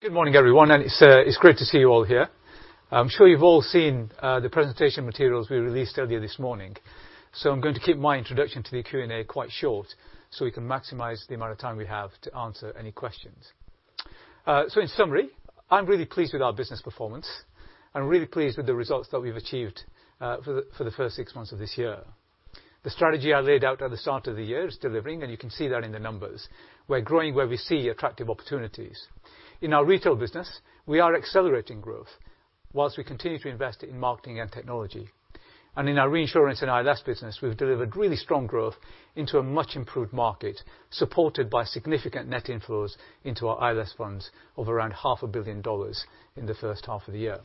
Good morning, everyone, and it's great to see you all here. I'm sure you've all seen the presentation materials we released earlier this morning. I'm going to keep my introduction to the Q&A quite short, so we can maximize the amount of time we have to answer any questions. In summary, I'm really pleased with our business performance. I'm really pleased with the results that we've achieved for the first six months of this year. The strategy I laid out at the start of the year is delivering, and you can see that in the numbers. We're growing where we see attractive opportunities. In our retail business, we are accelerating growth while we continue to invest in marketing and technology. In our reinsurance and ILS business, we've delivered really strong growth into a much improved market, supported by significant net inflows into our ILS funds of around half a billion dollars in the first half of the year.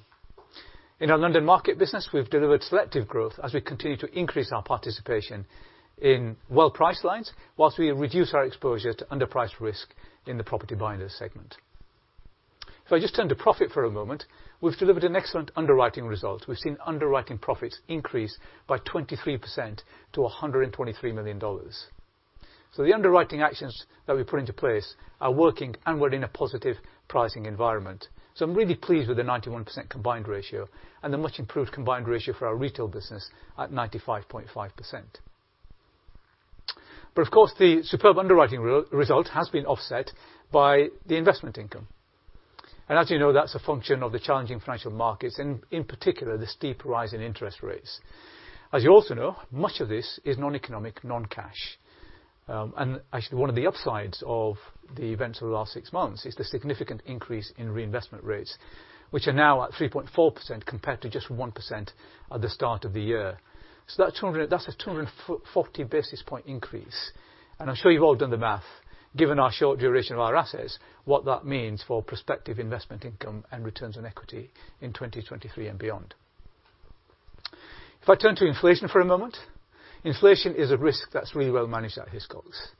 In our London Market business, we've delivered selective growth as we continue to increase our participation in well-priced lines while we reduce our exposure to underpriced risk in the property bind segment. If I just turn to profit for a moment, we've delivered an excellent underwriting result. We've seen underwriting profits increase by 23% to $123 million. The underwriting actions that we put into place are working, and we're in a positive pricing environment. I'm really pleased with the 91% combined ratio and the much improved combined ratio for our retail business at 95.5%. Of course, the superb underwriting result has been offset by the investment income. As you know, that's a function of the challenging financial markets and in particular, the steep rise in interest rates. As you also know, much of this is non-economic, non-cash. Actually one of the upsides of the events of the last six months is the significant increase in reinvestment rates, which are now at 3.4% compared to just 1% at the start of the year. That's a 240 basis point increase. I'm sure you've all done the math, given our short duration of our assets, what that means for prospective investment income and returns on equity in 2023 and beyond. If I turn to inflation for a moment, inflation is a risk that's really well managed at Hiscox.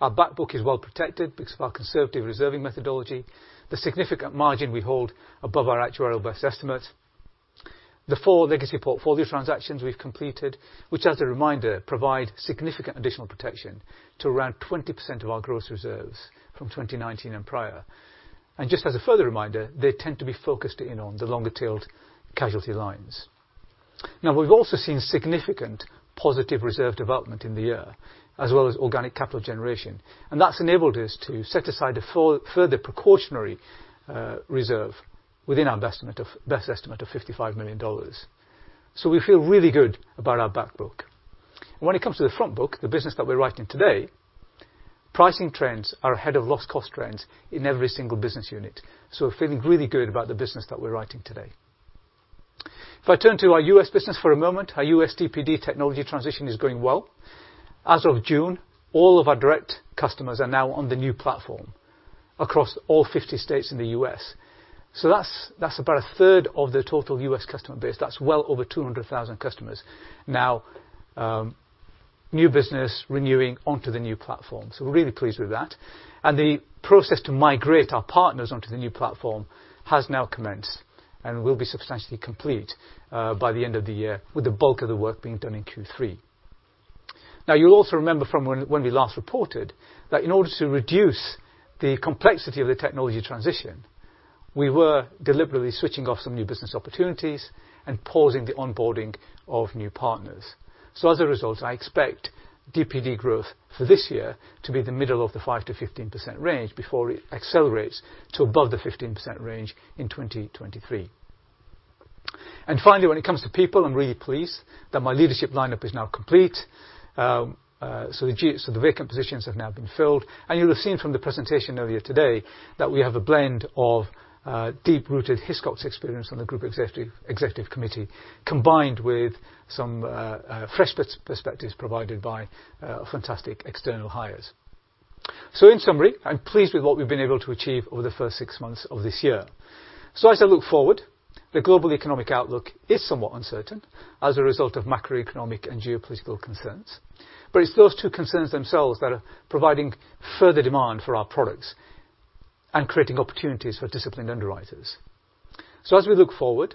Our back book is well protected because of our conservative reserving methodology. The significant margin we hold above our actuarial best estimate. The four legacy portfolio transactions we've completed, which, as a reminder, provide significant additional protection to around 20% of our gross reserves from 2019 and prior. Just as a further reminder, they tend to be focused in on the longer-tailed casualty lines. Now, we've also seen significant positive reserve development in the year, as well as organic capital generation, and that's enabled us to set aside a further precautionary reserve within our best estimate of $55 million. We feel really good about our back book. When it comes to the front book, the business that we're writing today, pricing trends are ahead of loss cost trends in every single business unit. We're feeling really good about the business that we're writing today. If I turn to our U.S. business for a moment, our U.S. DPD technology transition is going well. As of June, all of our direct customers are now on the new platform across all fifty states in the U.S.. That's about 1/3 of the total U.S. customer base. That's well over 200,000 customers now, new business renewing onto the new platform. We're really pleased with that. The process to migrate our partners onto the new platform has now commenced and will be substantially complete by the end of the year, with the bulk of the work being done in Q3. You'll also remember from when we last reported that in order to reduce the complexity of the technology transition, we were deliberately switching off some new business opportunities and pausing the onboarding of new partners. As a result, I expect DPD growth for this year to be the middle of the 5%-15% range before it accelerates to above 15% in 2023. Finally, when it comes to people, I'm really pleased that my leadership lineup is now complete. The vacant positions have now been filled. You'll have seen from the presentation earlier today that we have a blend of deep-rooted Hiscox experience on the group executive committee, combined with some fresh perspectives provided by fantastic external hires. In summary, I'm pleased with what we've been able to achieve over the first 6 months of this year. As I look forward, the global economic outlook is somewhat uncertain as a result of macroeconomic and geopolitical concerns. It's those two concerns themselves that are providing further demand for our products and creating opportunities for disciplined underwriters. As we look forward,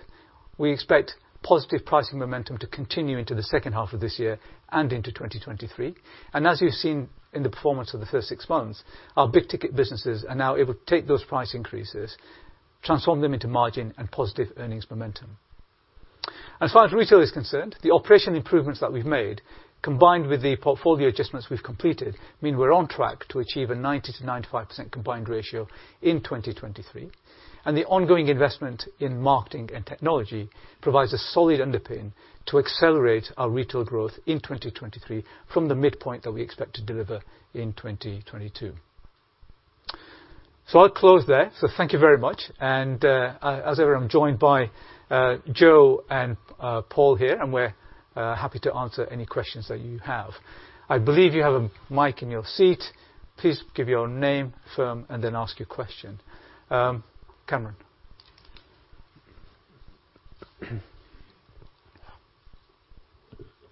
we expect positive pricing momentum to continue into the second half of this year and into 2023. As you've seen in the performance of the first 6 months, our big-ticket businesses are now able to take those price increases, transform them into margin and positive earnings momentum. As far as retail is concerned, the operation improvements that we've made, combined with the portfolio adjustments we've completed, mean we're on track to achieve a 90%-95% combined ratio in 2023. The ongoing investment in marketing and technology provides a solid underpin to accelerate our retail growth in 2023 from the midpoint that we expect to deliver in 2022. I'll close there. Thank you very much. As ever, I'm joined by Jo and Paul here, and we're happy to answer any questions that you have. I believe you have a mic in your seat. Please give your name, firm, and then ask your question. Kamran.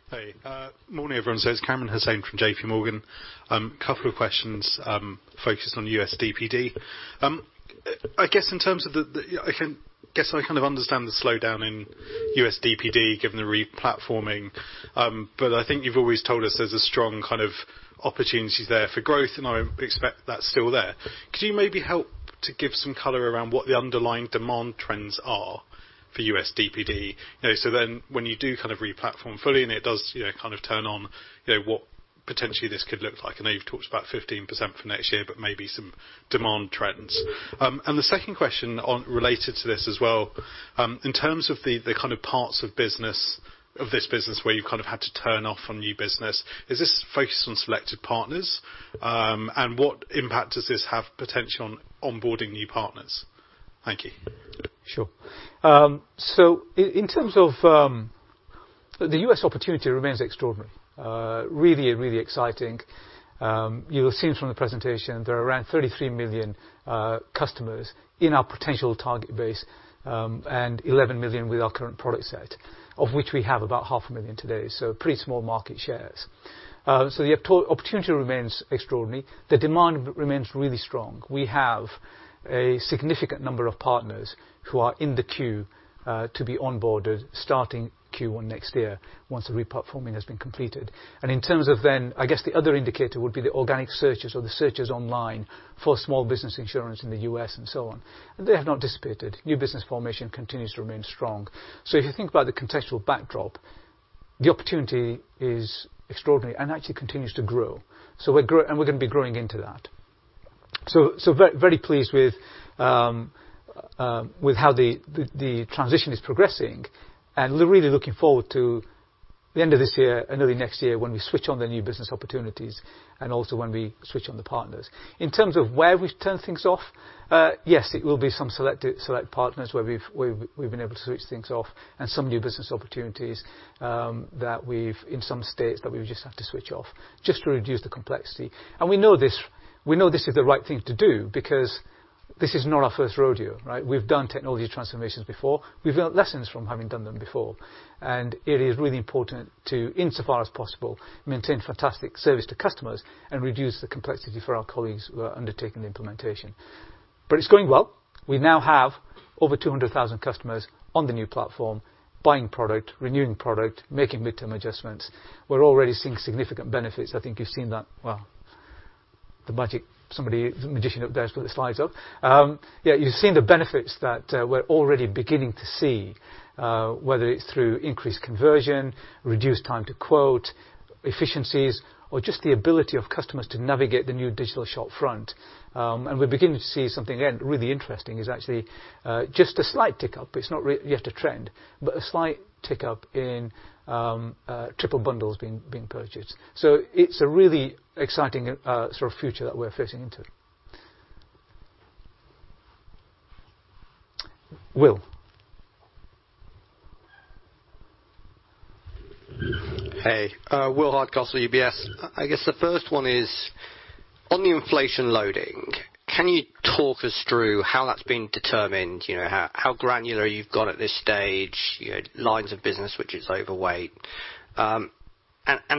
Hey, morning, everyone. It's Kamran Hossain from JPMorgan. A couple of questions focused on U.S. DPD. I guess in terms of the slowdown in U.S. DPD given the re-platforming, but I think you've always told us there's a strong kind of opportunities there for growth, and I expect that's still there. Could you maybe help to give some color around what the underlying demand trends are for U.S. DPD? Then when you do kind of re-platform fully, and it does turn on what potentially this could look like. I know you've talked about 15% for next year, but maybe some demand trends. The second question on, related to this as well, in terms of the kind of parts of this business where you've kind of had to turn off on new business, is this focused on selected partners? What impact does this have potentially on onboarding new partners? Thank you. Sure. In terms of, the U.S. opportunity remains extraordinary. Really exciting. You will have seen from the presentation, there are around 33 million customers in our potential target base, and 11 million with our current product set, of which we have about 500,000 today, so pretty small market shares. The opportunity remains extraordinary. The demand remains really strong. We have a significant number of partners who are in the queue to be onboarded starting Q1 next year once the re-platforming has been completed. In terms of then, I guess the other indicator would be the organic searches or the searches online for small business insurance in the U.S. and so on. They have not dissipated. New business formation continues to remain strong. If you think about the contextual backdrop, the opportunity is extraordinary and actually continues to grow. We're gonna be growing into that. Very pleased with how the transition is progressing, and we're really looking forward to the end of this year, early next year when we switch on the new business opportunities and also when we switch on the partners. In terms of where we've turned things off, yes, it will be some selected partners where we've been able to switch things off and some new business opportunities that we have in some states that we just have to switch off just to reduce the complexity. We know this is the right thing to do because this is not our first rodeo, right? We've done technology transformations before. We've learned lessons from having done them before. It is really important to, insofar as possible, maintain fantastic service to customers and reduce the complexity for our colleagues who are undertaking the implementation. It's going well. We now have over 200,000 customers on the new platform buying product, renewing product, making midterm adjustments. We're already seeing significant benefits. I think you've seen that. Well, somebody, the magician up there has put the slides up. You've seen the benefits that we're already beginning to see, whether it's through increased conversion, reduced time to quote, efficiencies, or just the ability of customers to navigate the new digital shop front. We're beginning to see something, again, really interesting. It's actually just a slight tick up. It's not yet a trend, but a slight tick up in triple bundles being purchased. It's a really exciting sort of future that we're facing into. Will. Hey, William Hardcastle, UBS. I guess the first one is on the inflation loading, can you talk us through how that's been determined? You know, how granular you've gone at this stage, you know, lines of business which is overweight. And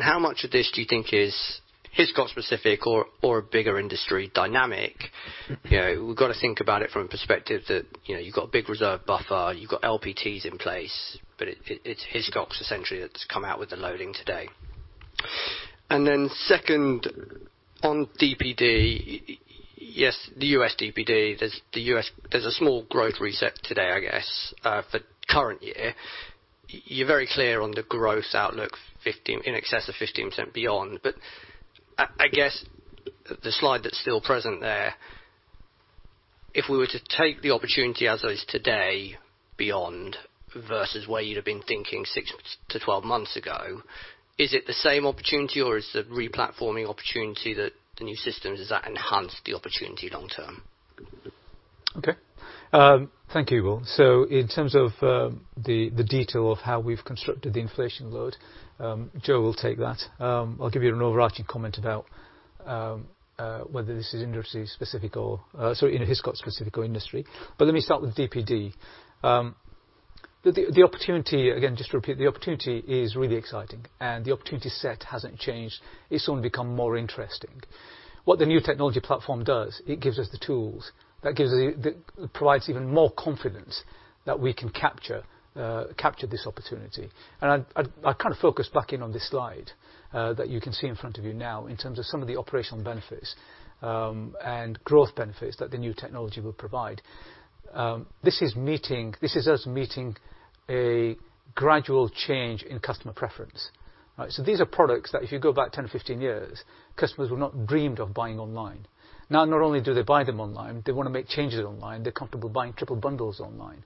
how much of this do you think is Hiscox specific or a bigger industry dynamic? We've got to think about it from a perspective that you've got a big reserve buffer, you've got LPTs in place, but it's Hiscox essentially that's come out with the loading today. Second, on DPD, yes, the U.S. DPD, there's a small growth reset today, I guess, for current year. You're very clear on the growth outlook 15%, in excess of 15% beyond. I guess the slide that's still present there, if we were to take the opportunity as it is today beyond versus where you'd have been thinking 6-12 months ago, is it the same opportunity, or is the re-platforming opportunity that the new systems, does that enhance the opportunity long term? Okay. Thank you, Will. In terms of the detail of how we've constructed the inflation load, Jo will take that. I'll give you an overarching comment about whether this is industry specific or, sorry, Hiscox specific or industry. Let me start with DPD. The opportunity, again, just to repeat, the opportunity is really exciting and the opportunity set hasn't changed. It's only become more interesting. What the new technology platform does, it gives us the tools that provides even more confidence that we can capture this opportunity. I kind of focus back in on this slide that you can see in front of you now in terms of some of the operational benefits and growth benefits that the new technology will provide. This is us meeting a gradual change in customer preference. Right. These are products that if you go back 10 or 15 years, customers would not dreamed of buying online. Now, not only do they buy them online, they wanna make changes online. They're comfortable buying triple bundles online.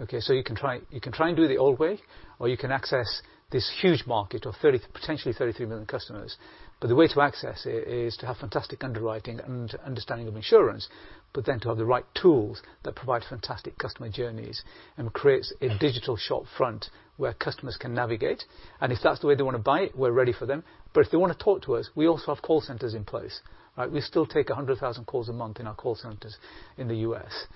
Okay. You can try, you can try and do it the old way, or you can access this huge market of 30, potentially 33 million customers. The way to access it is to have fantastic underwriting and understanding of insurance, but then to have the right tools that provide fantastic customer journeys and creates a digital shop front where customers can navigate. If that's the way they wanna buy it, we're ready for them. If they wanna talk to us, we also have call centers in place, right? We still take 100,000 calls a month in our call centers in the U.S..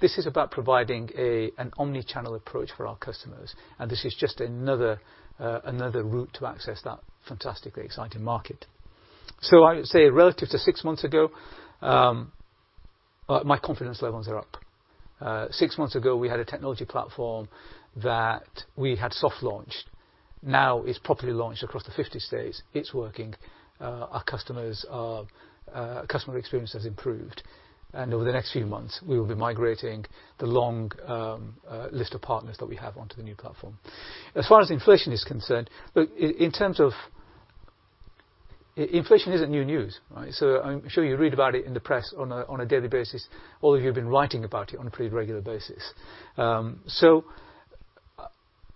This is about providing an omni-channel approach for our customers. This is just another route to access that fantastically exciting market. I would say relative to six months ago, my confidence levels are up. Six months ago, we had a technology platform that we had soft-launched. Now it's properly launched across the 50 states. It's working. Customer experience has improved. Over the next few months, we will be migrating the long list of partners that we have onto the new platform. As far as inflation is concerned. Look, in terms of inflation. Inflation isn't new news, right? I'm sure you read about it in the press on a daily basis, or you've been writing about it on a pretty regular basis.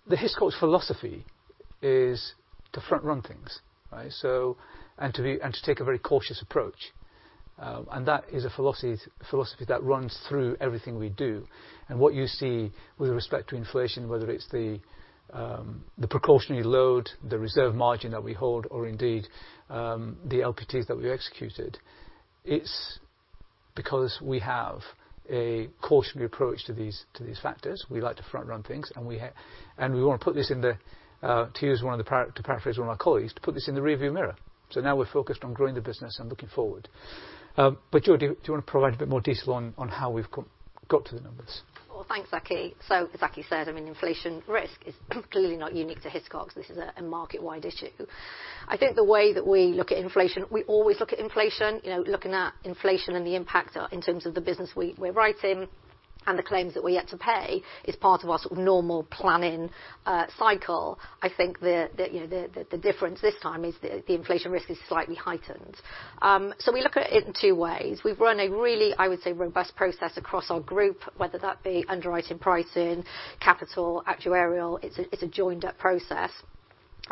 The Hiscox philosophy is to front-run things, right? and to take a very cautious approach. That is a philosophy that runs through everything we do. What you see with respect to inflation, whether it's the precautionary load, the reserve margin that we hold, or indeed, the LPTs that we executed, it's because we have a cautionary approach to these factors. We like to front-run things. We wanna put this in the rearview mirror, to paraphrase one of my colleagues. Now we're focused on growing the business and looking forward. Jody, do you wanna provide a bit more detail on how we've got to the numbers? Well, thanks, Aki. As Aki said, I mean, inflation risk is clearly not unique to Hiscox. This is a market-wide issue. I think the way that we look at inflation, we always look at inflation, you know, looking at inflation and the impact in terms of the business we're writing and the claims that we're yet to pay is part of our sort of normal planning cycle. I think the difference this time is the inflation risk is slightly heightened. We look at it in two ways. We've run a really, I would say, robust process across our group, whether that be underwriting, pricing, capital, actuarial. It's a joined-up process.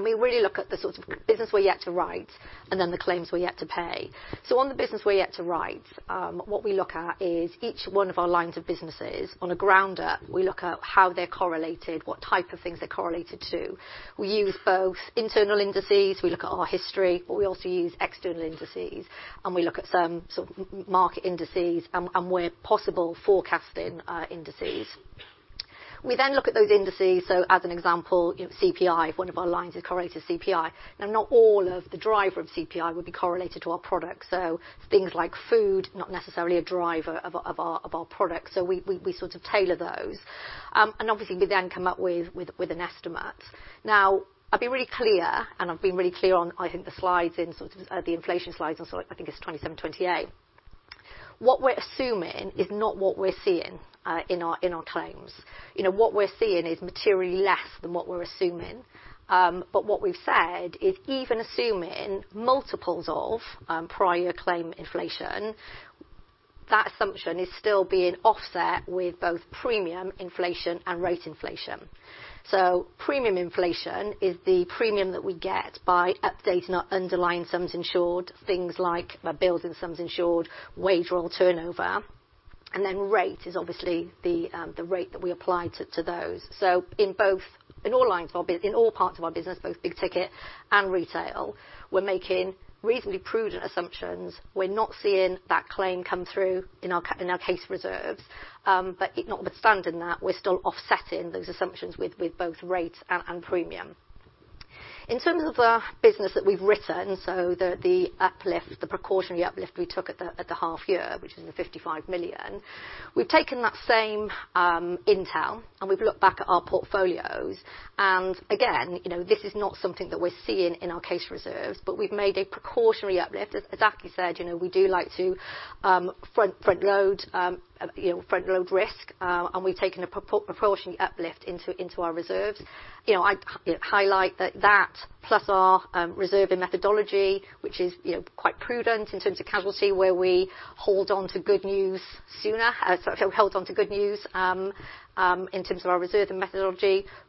We really look at the sorts of business we're yet to write and then the claims we're yet to pay. On the business we're yet to write, what we look at is each one of our lines of businesses. From the ground up, we look at how they're correlated, what type of things they're correlated to. We use both internal indices, we look at our history, but we also use external indices, and we look at some sort of market indices and where possible, forecasting indices. We then look at those indices. As an example, you know, CPI, if one of our lines is correlated to CPI. Now, not all of the driver of CPI would be correlated to our product. Things like food, not necessarily a driver of our product. We sort of tailor those. Obviously, we then come up with an estimate. Now, I've been really clear on, I think, the slides in sort of, the inflation slides on sort of I think it's '27, '28. What we're assuming is not what we're seeing in our claims. You know, what we're seeing is materially less than what we're assuming. But what we've said is even assuming multiples of prior claim inflation, that assumption is still being offset with both premium inflation and rate inflation. Premium inflation is the premium that we get by updating our underlying sums insured, things like buildings and sums-insured, wage roll turnover. And then rate is obviously the rate that we apply to those. In all parts of our business, both big ticket and retail, we're making reasonably prudent assumptions. We're not seeing that claim come through in our case reserves. Notwithstanding that, we're still offsetting those assumptions with both rates and premium. In terms of the business that we've written, the precautionary uplift we took at the half-year, which is the $55 million, we've taken that same intel, and we've looked back at our portfolios. Again, you know, this is not something that we're seeing in our case reserves, but we've made a precautionary uplift. As Aki said, you know, we do like to front-load risk, and we've taken a precautionary uplift into our reserves. I highlight that plus our reserve and methodology, which is, you know, quite prudent in terms of casualty, where we hold onto good news,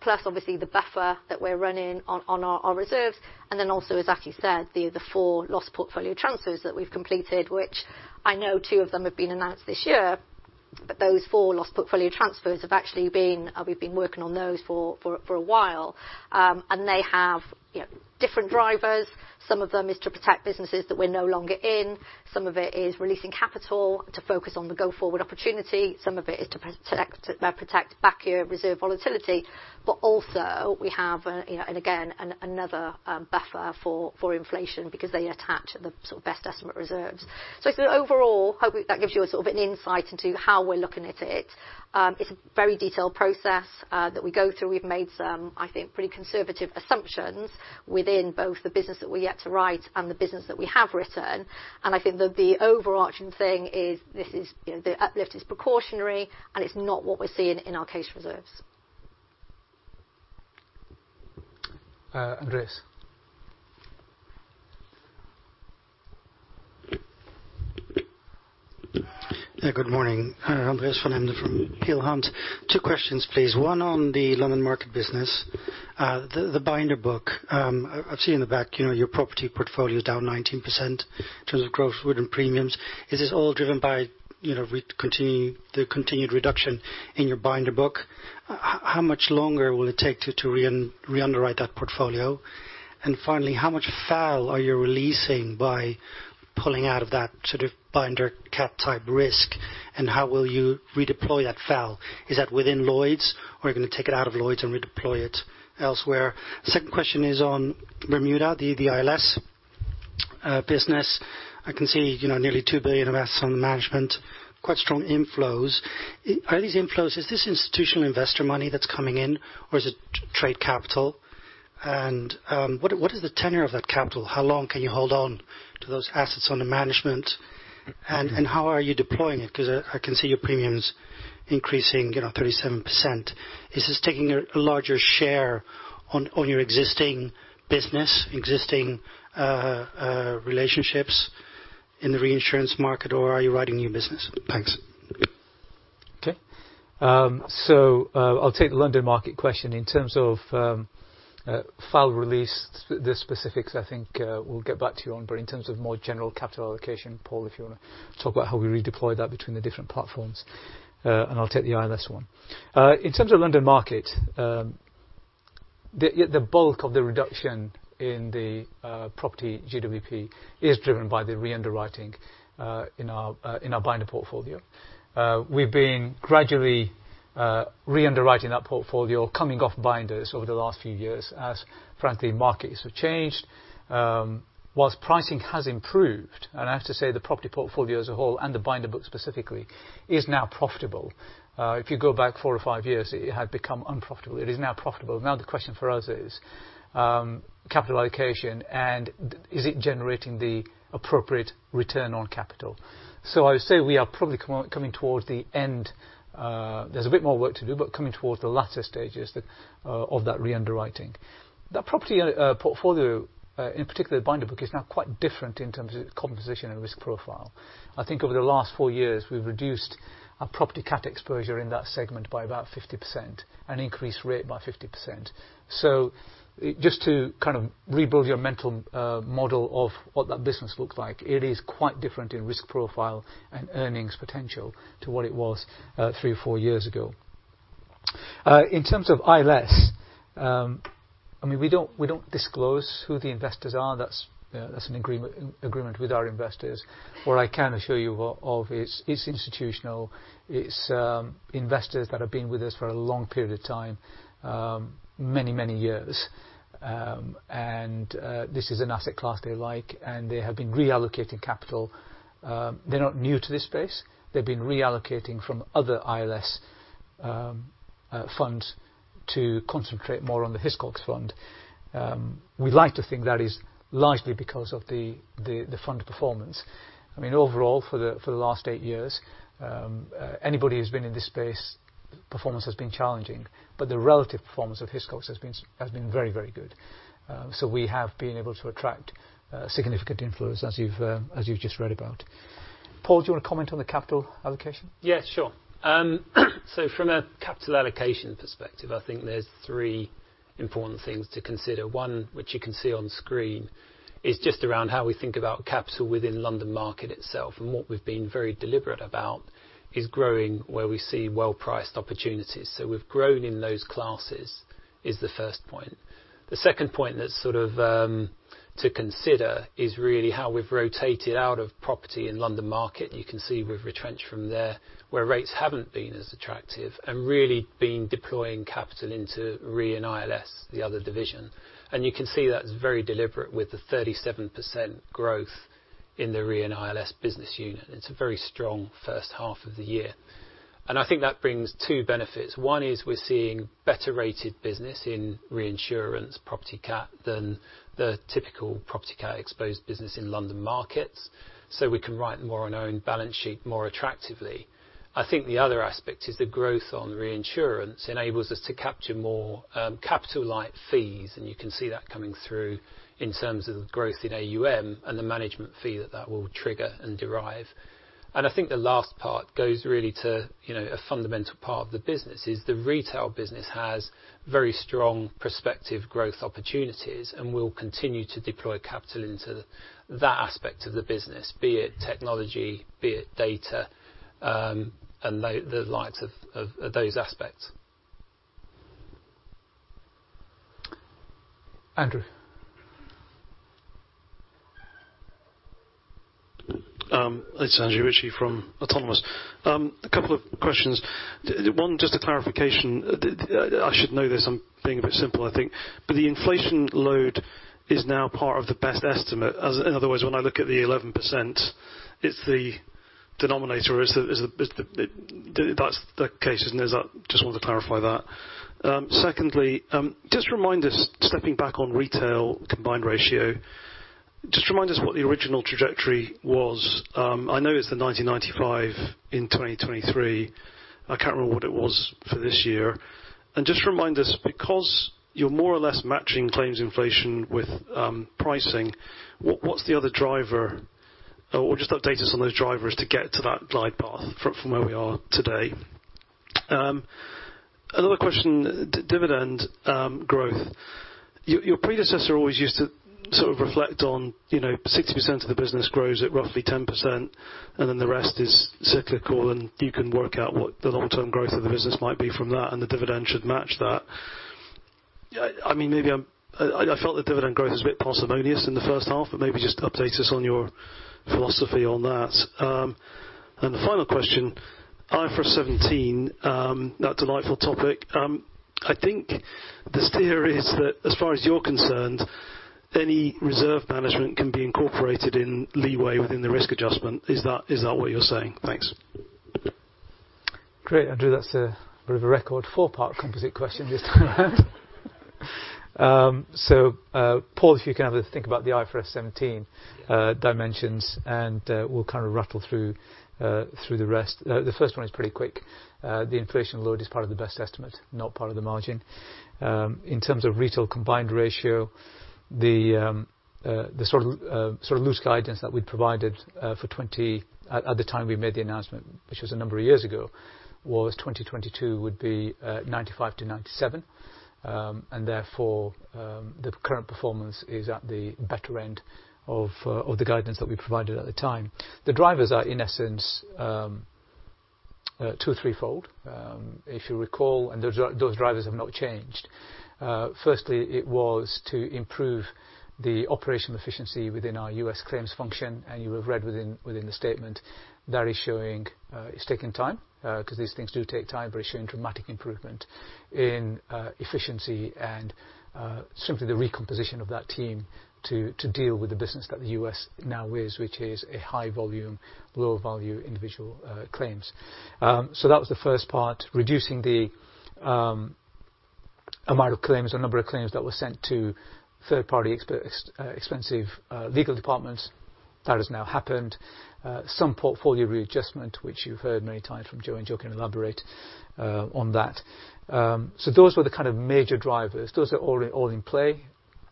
plus obviously the buffer that we're running on our reserves. As Aki said, the four loss portfolio transfers that we've completed, which I know two of them have been announced this year. Those four loss portfolio transfers have actually been, we've been working on those for a while. They have, you know, different drivers. Some of them is to protect businesses that we're no longer in. Some of it is releasing capital to focus on the go-forward opportunity. Some of it is to protect back-year reserve volatility. Also we have and again another buffer for inflation because they attach the sort of best estimate reserves. I think overall, hope that gives you a sort of an insight into how we're looking at it. It's a very detailed process that we go through. We've made some I think pretty conservative assumptions within both the business that we're yet to write and the business that we have written. I think that the overarching thing is this is the uplift is precautionary, and it's not what we're seeing in our case reserves. Andreas. Good morning, Andreas van Embden from Peel Hunt. Two questions, please. One on the London Market business. The binder book. I've seen in the back, you know, your property portfolio is down 19% in terms of growth within premiums. Is this all driven by, you know, the continued reduction in your binder book? How much longer will it take to reunderwrite that portfolio? And finally, how much FAL are you releasing by pulling out of that sort of binder cat type risk, and how will you redeploy that FAL? Is that within Lloyd's or are you gonna take it out of Lloyd's and redeploy it elsewhere? Second question is on Bermuda, the ILS business. I can see nearly $2 billion of assets under management, quite strong inflows. Are these inflows institutional investor money that's coming in, or is it trade capital? And what is the tenor of that capital? How long can you hold on to those assets under management? And how are you deploying it? 'Cause I can see your premiums increasing 37%. Is this taking a larger share on your existing business, existing relationships in the reinsurance market, or are you writing new business? Thanks. Okay. I'll take the London Market question. In terms of FAL release, the specifics, I think, we'll get back to you on. In terms of more general capital allocation, Paul, if you wanna talk about how we redeploy that between the different platforms, and I'll take the ILS one. In terms of London Market, the bulk of the reduction in the property GWP is driven by the reunderwriting in our binder portfolio. We've been gradually reunderwriting that portfolio, coming off binders over the last few years as frankly markets have changed. While pricing has improved, and I have to say the property portfolio as a whole and the binder book specifically is now profitable. If you go back four or five years, it had become unprofitable. It is now profitable. Now the question for us is, capital allocation, and is it generating the appropriate return on capital? I would say we are probably coming towards the end. There's a bit more work to do, but coming towards the latter stages that of that reunderwriting. That property portfolio, in particular the binder book, is now quite different in terms of composition and risk profile. I think over the last four years we've reduced our property cat exposure in that segment by about 50% and increased rate by 50%. Just to kind of rebuild your mental model of what that business looked like, it is quite different in risk profile and earnings potential to what it was, three or four years ago. In terms of ILS, I mean, we don't disclose who the investors are. That's an agreement with our investors. What I can assure you of is it's institutional. It's investors that have been with us for a long period of time, many years. This is an asset class they like, and they have been reallocating capital. They're not new to this space. They've been reallocating from other ILS funds to concentrate more on the Hiscox fund. We like to think that is largely because of the fund performance. I mean, overall for the last eight years, anybody who's been in this space, performance has been challenging. The relative performance of Hiscox has been very good. We have been able to attract significant inflows as you've just read about. Paul, do you want to comment on the capital allocation? Yes, sure. From a capital allocation perspective, I think there's three important things to consider. One, which you can see on screen, is just around how we think about capital within London Market itself. What we've been very deliberate about is growing where we see well-priced opportunities. We've grown in those classes is the first point. The second point that's sort of to consider is really how we've rotated out of property in London Market, you can see we've retrenched from there, where rates haven't been as attractive, and really been deploying capital into Re & ILS, the other division. You can see that's very deliberate with the 37% growth in the Re & ILS business unit. It's a very strong first half of the year. I think that brings two benefits. One is we're seeing better rated business in reinsurance property cat than the typical property cat exposed business in London markets, so we can write more on our own balance sheet more attractively. I think the other aspect is the growth on reinsurance enables us to capture more, capital light fees, and you can see that coming through in terms of growth in AUM and the management fee that that will trigger and derive. I think the last part goes really to, you know, a fundamental part of the business, is the retail business has very strong prospective growth opportunities, and we'll continue to deploy capital into that aspect of the business, be it technology, be it data, and the likes of those aspects. Andrew. It's Andrew Ritchie from Autonomous Research. A couple of questions. One, just a clarification. I should know this. I'm being a bit simple, I think. The inflation load is now part of the best estimate. In other words, when I look at the 11%, the denominator that's the case, isn't it? Just wanted to clarify that. Secondly, just remind us, stepping back on retail combined ratio, just remind us what the original trajectory was. I know it's the 90/95 in 2023. I can't remember what it was for this year. Just remind us, because you're more or less matching claims inflation with pricing, what's the other driver? Or just update us on those drivers to get to that glide path from where we are today. Another question. Dividend growth. Your predecessor always used to sort of reflect on, you know, 60% of the business grows at roughly 10%, and then the rest is cyclical, and you can work out what the long-term growth of the business might be from that, and the dividend should match that. Maybe I felt the dividend growth was a bit parsimonious in the first half, but maybe just update us on your philosophy on that. The final question, IFRS 17, that delightful topic. I think this theory is that as far as you're concerned, any reserve management can be incorporated in leeway within the risk adjustment. Is that what you're saying? Thanks. Great, Andrew. That's a bit of a record four-part composite question this time. Paul, if you can have a think about the IFRS 17 dimensions, and we'll kind of rattle through the rest. The first one is pretty quick. The inflation load is part of the best estimate, not part of the margin. In terms of retail combined ratio, the sort of loose guidance that we provided for 2020 at the time we made the announcement, which was a number of years ago, was 2022 would be 95%-97%. Therefore, the current performance is at the better end of the guidance that we provided at the time. The drivers are, in essence, two or threefold. If you recall, those drivers have not changed. Firstly, it was to improve the operational efficiency within our U.S. claims function, and you have read within the statement that is showing, it's taking time, 'cause these things do take time, but it's showing dramatic improvement in efficiency and simply the recomposition of that team to deal with the business that the U.S. now is, which is a high volume, low value individual claims. So that was the first part, reducing the amount of claims or number of claims that were sent to third-party expensive legal departments. That has now happened. Some portfolio readjustment, which you've heard many times from Jo, and Jo can elaborate on that. Those were the kind of major drivers. Those are all in play,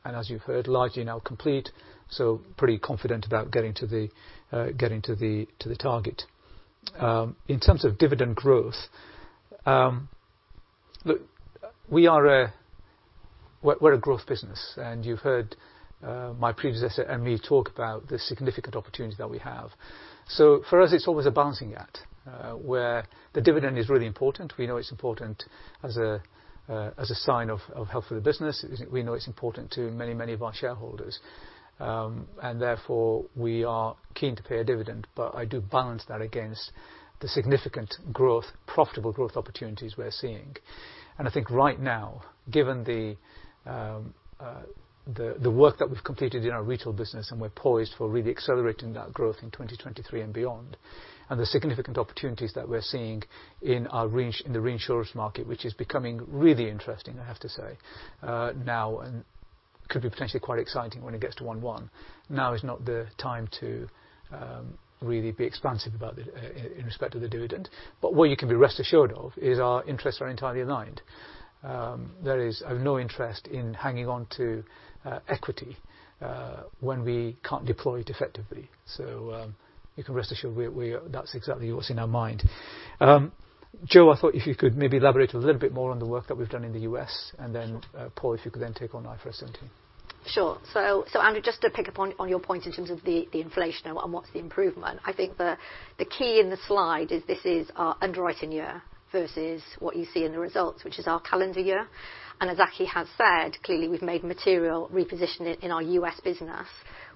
and as you've heard, largely now complete, so pretty confident about getting to the target. In terms of dividend growth, look, we're a growth business, and you've heard my predecessor and me talk about the significant opportunities that we have. For us, it's always a balancing act where the dividend is really important. We know it's important as a sign of health for the business. We know it's important to many, many of our shareholders. Therefore, we are keen to pay a dividend. I do balance that against the significant growth, profitable growth opportunities we're seeing. I think right now, given the work that we've completed in our retail business, and we're poised for really accelerating that growth in 2023 and beyond, and the significant opportunities that we're seeing in the reinsurance market, which is becoming really interesting, I have to say, now and could be potentially quite exciting when it gets to 1/1. Now is not the time to really be expansive about the in respect to the dividend. What you can be rest assured of is our interests are entirely aligned. There is no interest in hanging on to equity when we can't deploy it effectively. You can rest assured we. That's exactly what's in our mind. Jo, I thought if you could maybe elaborate a little bit more on the work that we've done in the U.S., and then. Sure. Paul, if you could then take on IFRS 17. Sure. So Andrew, just to pick up on your point in terms of the inflation and what's the improvement. I think the key in the slide is this is our underwriting year versus what you see in the results, which is our calendar year. As Aki has said, clearly, we've made material repositioning in our U.S. business,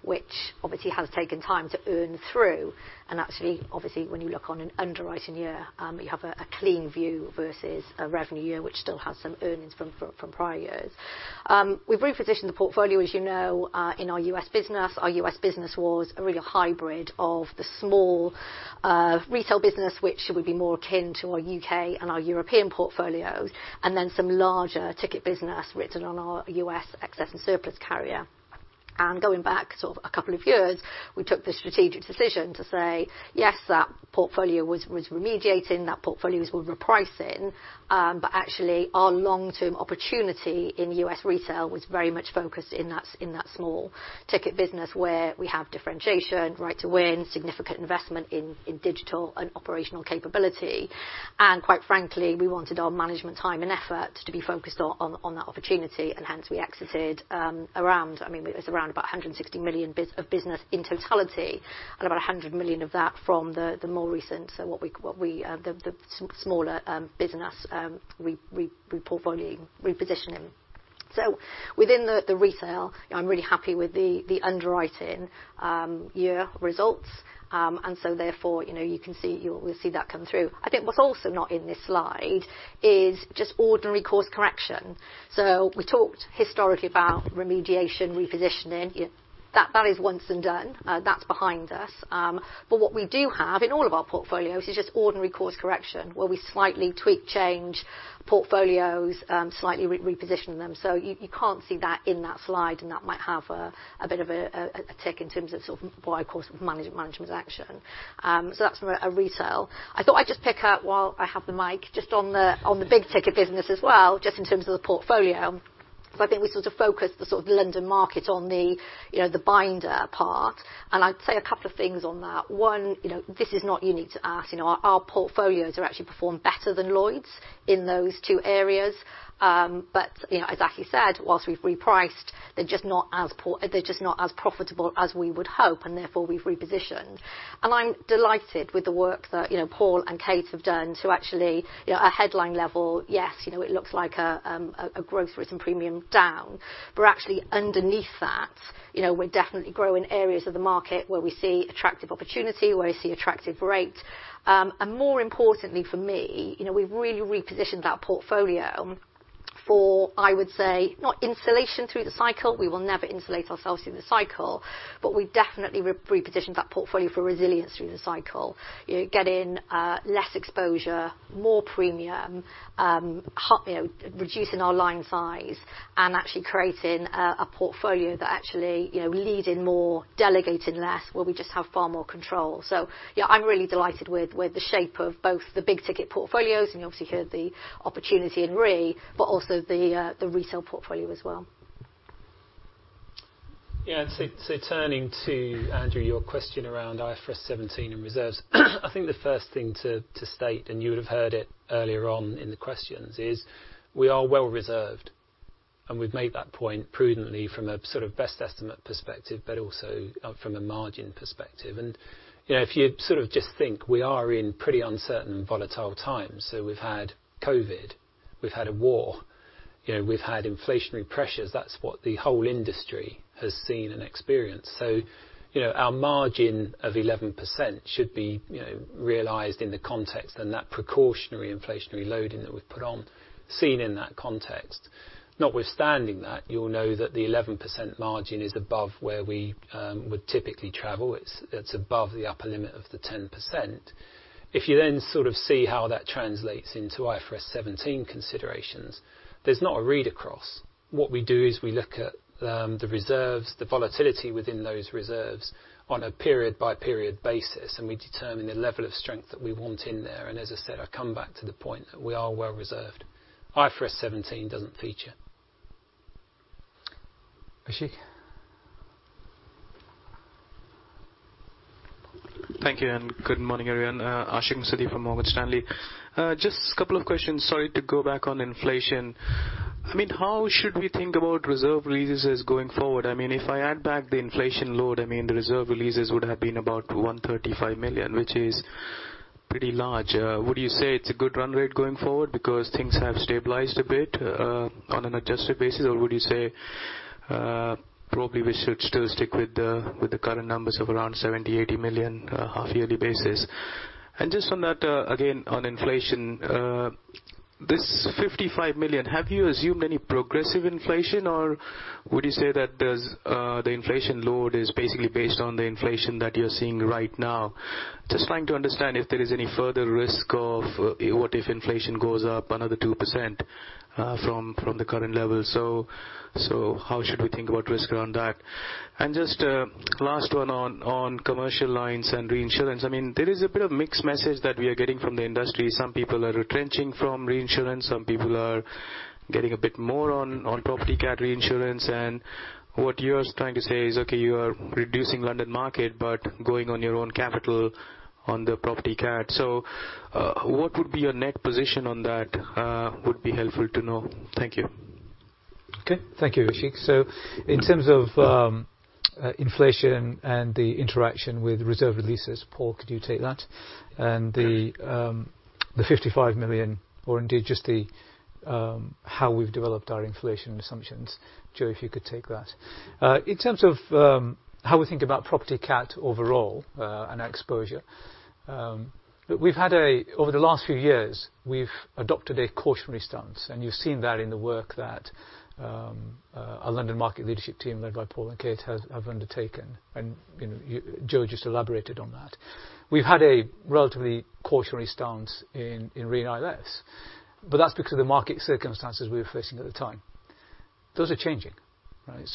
which obviously has taken time to earn through. Actually, obviously, when you look on an underwriting year, you have a clean view versus a revenue year, which still has some earnings from prior years. We've repositioned the portfolio, as you know, in our U.S. business. Our U.S. business was a real hybrid of the small retail business, which would be more akin to our U.K. and our European portfolios, and then some larger ticket business written on our U.S. excess and surplus carrier. Going back sort of a couple of years, we took the strategic decision to say, yes, that portfolio was remediating, that portfolio was repricing, but actually, our long-term opportunity in U.S. Retail was very much focused in that small ticket business where we have differentiation, right to win, significant investment in digital and operational capability. Quite frankly, we wanted our management time and effort to be focused on that opportunity. Hence, we exited around, I mean, it was around about $160 million of business in totality, and about $100 million of that from the more recent what we the smaller business repositioning. Within the retail I'm really happy with the underwriting year results. Therefore, you know, you can see. You will see that come through. I think what's also not in this slide is just ordinary course correction. We talked historically about remediation, repositioning. That is once and done, that's behind us. What we do have in all of our portfolios is just ordinary course correction, where we slightly tweak change portfolios, slightly reposition them. You can't see that in that slide, and that might have a bit of a tick in terms of management action. That's from retail. I thought I'd just pick up while I have the mic just on the big ticket business as well, just in terms of the portfolio. I think we sort of focus the sort of London Market on the, you know, the binder part. I'd say a couple of things on that. One, you know, this is not unique to us. You know, our portfolios are actually performed better than Lloyd's in those two areas. You know, as Aki said, while we've repriced, they're just not as profitable as we would hope, and therefore we've repositioned. I'm delighted with the work that Paul and Kate have done to actually, you know, at headline level, yes, you know, it looks like a growth written premium down. But actually, underneath that, you know, we're definitely growing areas of the market where we see attractive opportunity, where we see attractive rates. And more importantly for me, you know, we've really repositioned that portfolio. For, I would say, not insulation through the cycle. We will never insulate ourselves through the cycle, but we definitely reposition that portfolio for resilience through the cycle. You know, getting less exposure, more premium reducing our line size and actually creating a portfolio that actually leading more, delegating less, where we just have far more control. I'm really delighted with the shape of both the big ticket portfolios, and you obviously heard the opportunity in Re, but also the retail portfolio as well. Turning to Andrew, your question around IFRS 17 and reserves. I think the first thing to state, and you would have heard it earlier on in the questions, is we are well reserved, and we've made that point prudently from a best estimate perspective, but also from a margin perspective. You know, if you sort of just think we are in pretty uncertain and volatile times. We've had COVID, we've had a war, you know, we've had inflationary pressures. That's what the whole industry has seen and experienced. Our 11% margin should be, you know, realized in the context and that precautionary inflationary loading that we've put on, seen in that context. Notwithstanding that, you'll know that the 11% margin is above where we would typically travel. It's above the upper limit of the 10%. If you then sort of see how that translates into IFRS 17 considerations, there's not a read across. What we do is we look at the reserves, the volatility within those reserves on a period-by-period basis, and we determine the level of strength that we want in there. As I said, I come back to the point that we are well reserved. IFRS 17 doesn't feature. Ashik. Thank you and good morning, everyone. Ashik Musaddi from Morgan Stanley. Just couple of questions. Sorry to go back on inflation. I mean, how should we think about reserve releases going forward? I mean, if I add back the inflation load, I mean, the reserve releases would have been about $135 million, which is pretty large. Would you say it's a good run rate going forward because things have stabilized a bit, on an adjusted basis? Or would you say, probably we should still stick with the, with the current numbers of around $70 million to $80 million, half yearly basis? Just on that, again, on inflation. This $55 million, have you assumed any progressive inflation, or would you say that there's, the inflation load is basically based on the inflation that you're seeing right now? Just trying to understand if there is any further risk of what if inflation goes up another 2%, from the current level. How should we think about risk around that? Just last one on commercial lines and reinsurance. I mean, there is a bit of mixed message that we are getting from the industry. Some people are retrenching from reinsurance, some people are getting a bit more on property cat reinsurance. What you're trying to say is, okay, you are reducing London Market, but going on your own capital on the property cat. What would be your net position on that would be helpful to know. Thank you. Okay. Thank you, Ashik. In terms of inflation and the interaction with reserve releases, Paul, could you take that? The $55 million or indeed just the how we've developed our inflation assumptions. Jo, if you could take that. In terms of how we think about property cat overall and exposure, over the last few years, we've adopted a cautionary stance, and you've seen that in the work that our London Market leadership team, led by Paul and Kate, have undertaken. You know, Jo just elaborated on that. We've had a relatively cautionary stance in Re and ILS, but that's because of the market circumstances we were facing at the time. Those are changing, right?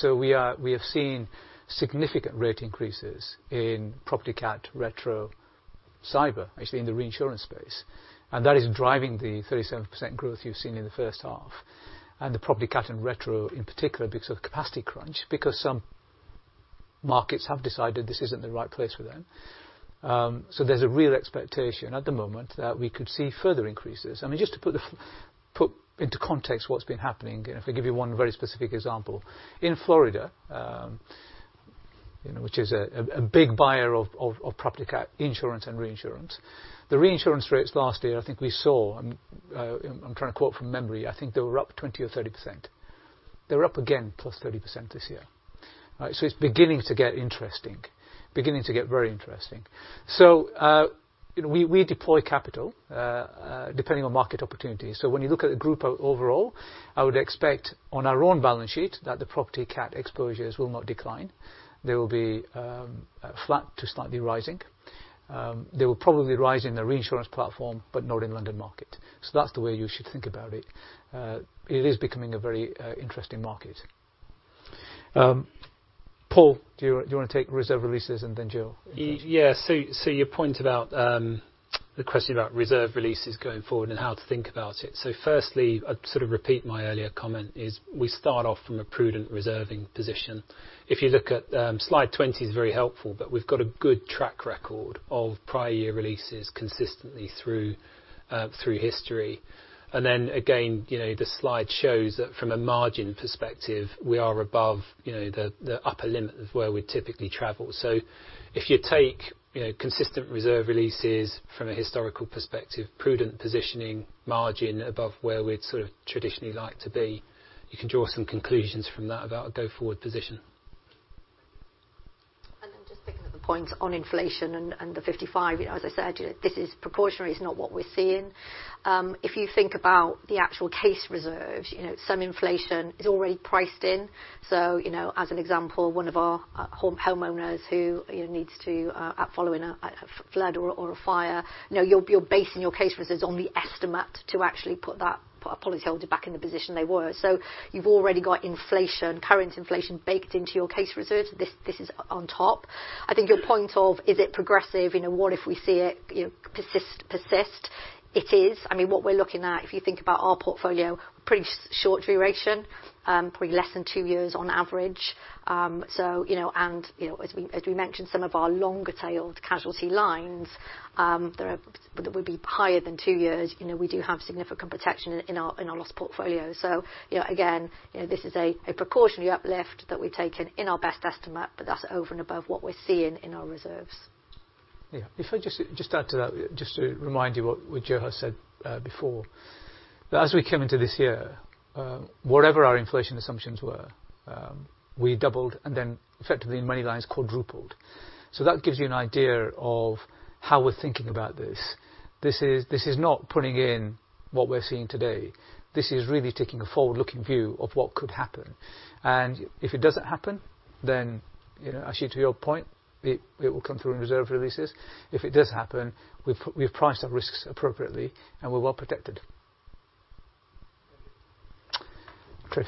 We have seen significant rate increases in property cat, retro, cyber, actually in the reinsurance space. That is driving the 37% growth you've seen in the first half, and the property cat and retro in particular because of capacity crunch, because some markets have decided this isn't the right place for them. There's a real expectation at the moment that we could see further increases. I mean, just to put into context what's been happening, if I give you one very specific example. In Florida, you know, which is a big buyer of property cat insurance and reinsurance. The reinsurance rates last year, I think we saw, I'm trying to quote from memory, I think they were up 20% or 30%. They were up again +30% this year. All right? It's beginning to get interesting. Beginning to get very interesting. We deploy capital depending on market opportunities. When you look at the group overall, I would expect on our own balance sheet that the property cat exposures will not decline. They will be flat to slightly rising. They will probably rise in the reinsurance platform but not in London Market. That's the way you should think about it. It is becoming a very interesting market. Paul, do you wanna take reserve releases and then Jo? Yes. Your point about the question about reserve releases going forward and how to think about it. Firstly, I'd sort of repeat my earlier comment, is we start off from a prudent reserving position. If you look at slide 20 is very helpful, but we've got a good track record of prior year releases consistently through history. Then again, you know, the slide shows that from a margin perspective, we are above, you know, the upper limit of where we typically travel. If you take, you know, consistent reserve releases from a historical perspective, prudent positioning margin above where we'd sort of traditionally like to be, you can draw some conclusions from that about a go-forward position. The point on inflation and the 55, you know, as I said, this is proportionate. It's not what we're seeing. If you think about the actual case reserves, you know, some inflation is already priced in. You know, as an example, one of our homeowners who, you know, needs to following a flood or a fire, you know, your base in your case reserve is on the estimate to actually put that put our policyholder back in the position they were. You've already got inflation, current inflation baked into your case reserve. This is on top. I think your point of is it progressive? You know, what if we see it, you know, persist? It is. I mean, what we're looking at, if you think about our portfolio, pretty short duration, probably less than two years on average. As we mentioned, some of our longer-tailed casualty lines that would be higher than two years. You know, we do have significant protection in our loss portfolio. You know, again, you know, this is a proportional uplift that we've taken in our best estimate, but that's over and above what we're seeing in our reserves. If I just add to that, just to remind you what Jo has said before. That as we came into this year, whatever our inflation assumptions were, we doubled and then effectively in many lines quadrupled. That gives you an idea of how we're thinking about this. This is not putting in what we're seeing today. This is really taking a forward-looking view of what could happen. If it doesn't happen, then, you know, actually to your point, it will come through in reserve releases. If it does happen, we've priced our risks appropriately, and we're well protected. Tryf.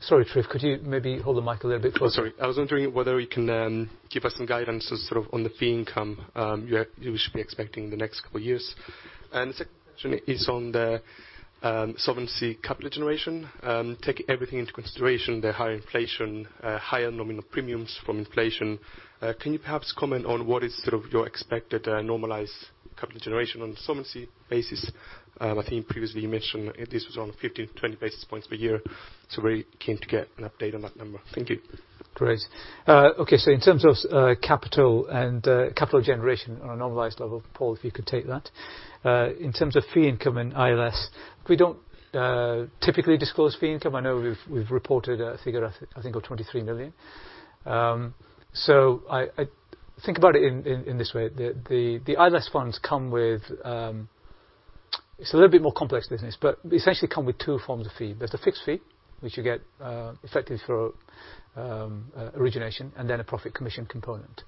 Sorry, Tryf. Could you maybe hold the mic a little bit closer? Oh, sorry. I was wondering whether you can give us some guidance as sort of on the fee income you should be expecting the next couple years. The second question is on the solvency capital generation. Take everything into consideration, the higher inflation, higher nominal premiums from inflation. Can you perhaps comment on what is sort of your expected normalized capital generation on a solvency basis? I think previously you mentioned this was on 50-200 basis points per year. We're keen to get an update on that number. Thank you. Great. Okay. In terms of capital and capital generation on a normalized level, Paul, if you could take that. In terms of fee income and ILS, we don't typically disclose fee income. I know we've reported a figure I think of $23 million. I think about it in this way. The ILS funds come with it's a little bit more complex business, but essentially come with two forms of fee. There's a fixed fee, which you get effective for origination, and then a profit commission component.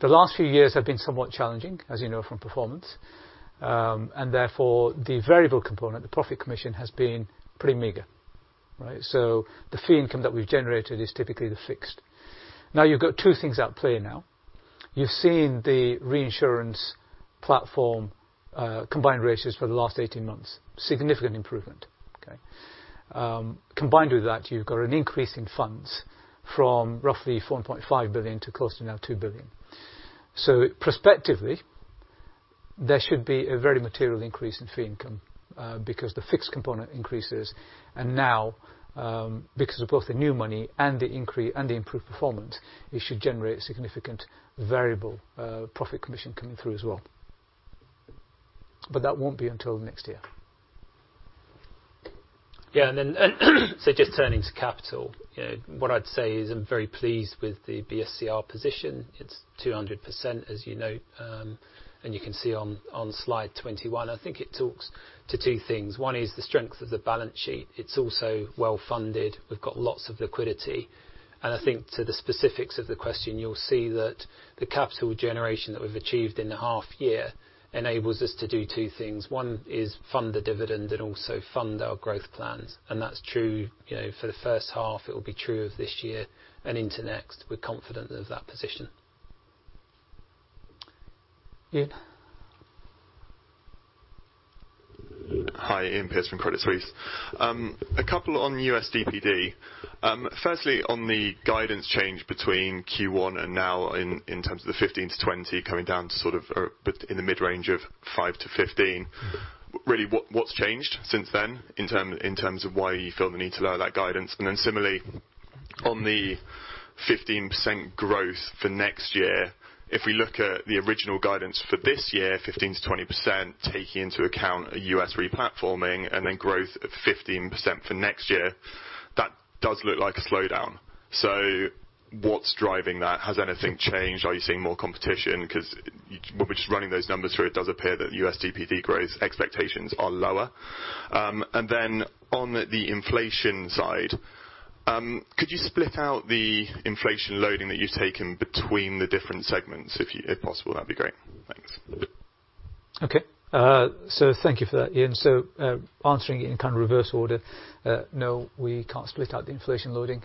The last few years have been somewhat challenging, as you know, from performance. Therefore the variable component, the profit commission, has been pretty meager, right? The fee income that we've generated is typically the fixed. Now you've got two things at play now. You've seen the reinsurance platform, combined ratios for the last 18 months. Significant improvement, okay. Combined with that, you've got an increase in funds from roughly $4.5 billion to close to $2 billion now. Prospectively, there should be a very material increase in fee income, because the fixed component increases, and now, because of both the new money and the increase and the improved performance, it should generate significant variable, profit commission coming through as well. That won't be until next year. Just turning to capital, you know, what I'd say is I'm very pleased with the BSCR position. It's 200%, as you know, and you can see on slide 21. I think it talks to two things. One is the strength of the balance sheet. It's also well-funded. We've got lots of liquidity. I think to the specifics of the question, you'll see that the capital generation that we've achieved in the half year enables us to do two things. One is fund the dividend and also fund our growth plans. That's true, you know, for the first half. It will be true of this year and into next. We're confident of that position. Iain. Hi, Iain Pearce from Credit Suisse. A couple on U.S. DPD. Firstly on the guidance change between Q1 and now in terms of the 15%-20% coming down to sort of or in the mid-range of 5%-15%. Really, what's changed since then in terms of why you feel the need to lower that guidance? Then similarly, on the 15% growth for next year, if we look at the original guidance for this year, 15%-20%, taking into account a U.S. re-platforming and then growth of 15% for next year, that does look like a slowdown. What's driving that? Has anything changed? Are you seeing more competition? 'Cause we're just running those numbers through it does appear that U.S. DPD growth expectations are lower. on the inflation side, could you split out the inflation loading that you've taken between the different segments, if possible? That'd be great. Thanks. Okay. Thank you for that, Iain. Answering it in kind of reverse order, no, we can't split out the inflation loading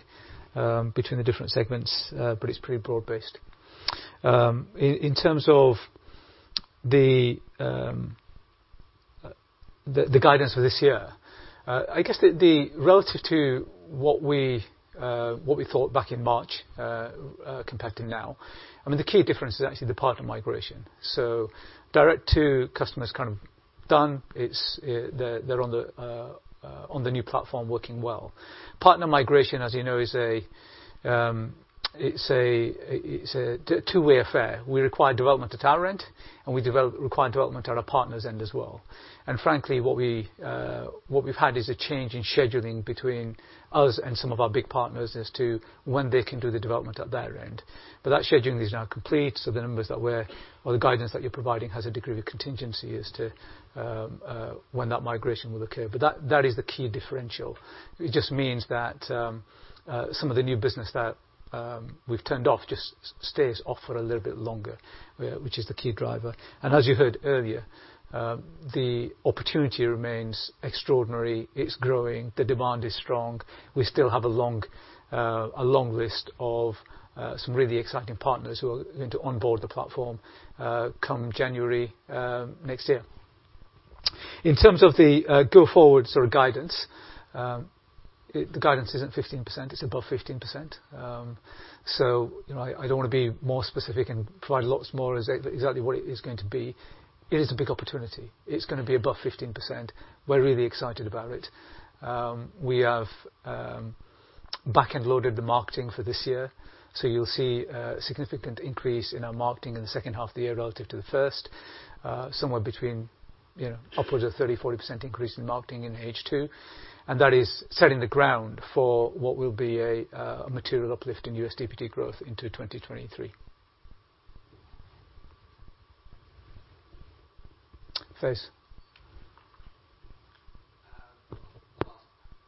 between the different segments, but it's pretty broad-based. In terms of the guidance for this year. I guess the relative to what we thought back in March, comparing now, I mean, the key difference is actually the partner migration. Direct to customer is kind of done. It's, they're on the new platform working well. Partner migration, as you know, is a two-way affair. We require development at our end, and require development at our partners end as well. Frankly, what we've had is a change in scheduling between us and some of our big partners as to when they can do the development at their end. That scheduling is now complete, so the guidance that you're providing has a degree of contingency as to when that migration will occur. That is the key differential. It just means that some of the new business that we've turned off just stays off for a little bit longer, which is the key driver. As you heard earlier, the opportunity remains extraordinary. It's growing. The demand is strong. We still have a long list of some really exciting partners who are going to onboard the platform come January next year. In terms of the go forward sort of guidance, the guidance isn't 15%, it's above 15%. You know, I don't want to be more specific and provide lots more exactly what it is going to be. It is a big opportunity. It's going to be above 15%. We're really excited about it. We have back-end loaded the marketing for this year, so you'll see a significant increase in our marketing in the second half of the year relative to the first, somewhere between upwards of 30-40% increase in marketing in H2, and that is setting the ground for what will be a material uplift in U.S. DPD growth into 2023. Faiz.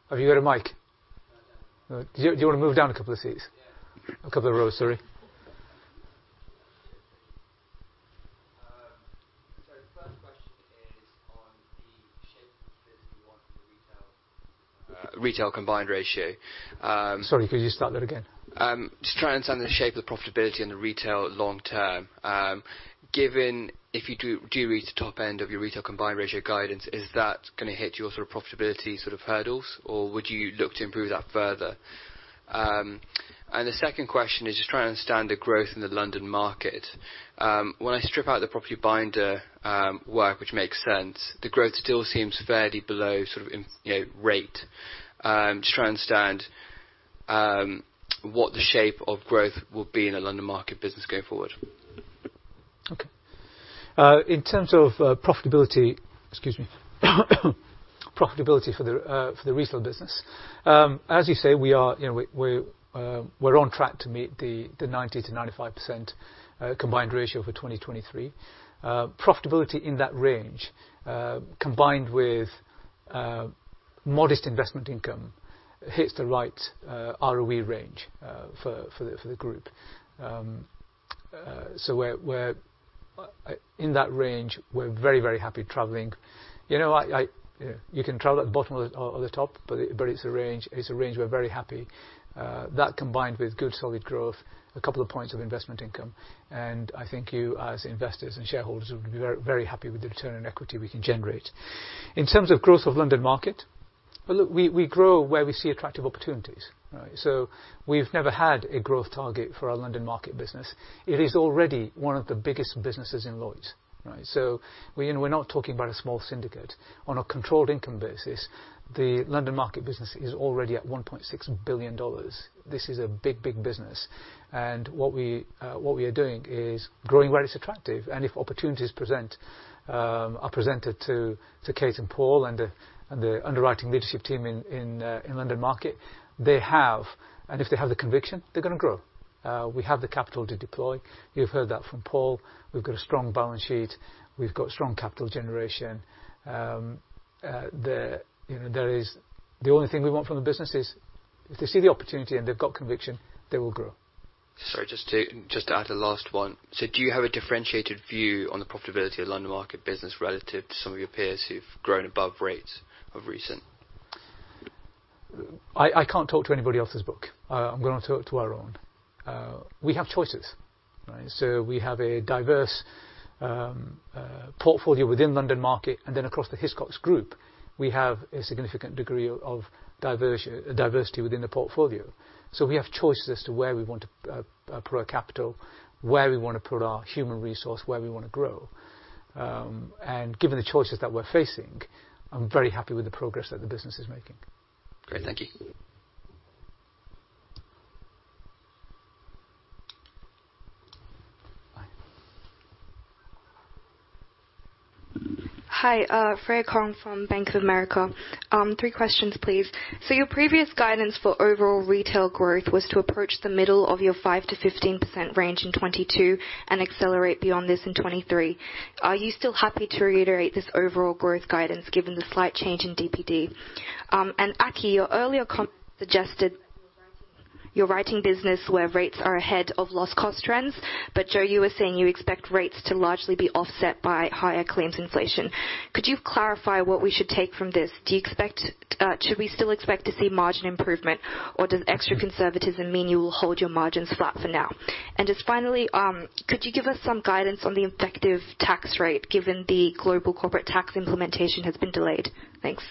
Have you got a mic? First question is on the shape of the return on the retail combined ratio. Sorry, could you start that again? Just trying to understand the shape of profitability in the retail long term. Given if you do you reach the top end of your retail combined ratio guidance, is that gonna hit your sort of profitability sort of hurdles, or would you look to improve that further? The second question is just trying to understand the growth in the London Market. When I strip out the property binder work, which makes sense, the growth still seems fairly below sort of, you know, rate. Just trying to understand what the shape of growth will be in the London Market business going forward. Okay. In terms of profitability, excuse me, for the retail business, as you say, we are, you know, we're on track to meet the 90%-95% combined ratio for 2023. Profitability in that range, combined with modest investment income hits the right ROE range for the group. So we're in that range. We're very happy traveling. You know, you can travel at the bottom or the top, but it's a range we're very happy. That combined with good solid growth, a couple of points of investment income, and I think you as investors and shareholders would be very happy with the return on equity we can generate. In terms of growth of London Market, well, look, we grow where we see attractive opportunities, all right? We've never had a growth target for our London Market business. It is already one of the biggest businesses in Lloyd's, all right? You know, we're not talking about a small syndicate. On a contractual income basis, the London Market business is already at $1.6 billion. This is a big, big business. What we are doing is growing where it's attractive, and if opportunities are presented to Kate and Paul and the underwriting leadership team in London Market, they have. If they have the conviction, they're gonna grow. We have the capital to deploy. You've heard that from Paul. We've got a strong balance sheet. We've got strong capital generation. you know, the only thing we want from the business is if they see the opportunity and they've got conviction, they will grow. Sorry, just to add a last one. Do you have a differentiated view on the profitability of London Market business relative to some of your peers who've grown above rates recently? I can't talk to anybody else's book. I'm going to talk to our own. We have choices, right? We have a diverse portfolio within London Market, and then across the Hiscox Group, we have a significant degree of diversity within the portfolio. We have choices as to where we want to put our capital, where we wanna put our human resource, where we wanna grow. Given the choices that we're facing, I'm very happy with the progress that the business is making. Great. Thank you. Frey. Hi, Freya Kong from Bank of America. Three questions, please. Your previous guidance for overall retail growth was to approach the middle of your 5%-15% range in 2022 and accelerate beyond this in 2023. Are you still happy to reiterate this overall growth guidance given the slight change in DPD? Aki, your earlier comment suggested your writing business where rates are ahead of loss cost trends. Jo, you were saying you expect rates to largely be offset by higher claims inflation. Could you clarify what we should take from this? Should we still expect to see margin improvement, or does extra conservatism mean you will hold your margins flat for now? Just finally, could you give us some guidance on the effective tax rate given the global corporate tax implementation has been delayed? Thanks.